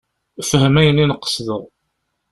Fhem ayen i n-qesdeɣ.